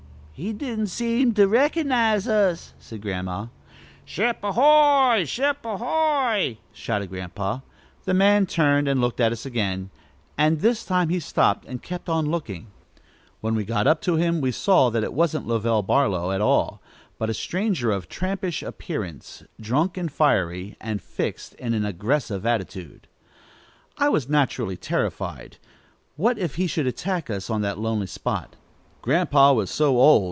"He don't seem to recognize us," said Grandma. "Ship a hoy! Ship a hoy!" shouted Grandpa. The man turned and looked at us again, and this time he stopped and kept on looking. When we got up to him we saw that it wasn't Lovell Barlow at all, but a stranger of trampish appearance, drunk and fiery, and fixed in an aggressive attitude. I was naturally terrified. What if he should attack us in that lonely spot! Grandpa was so old!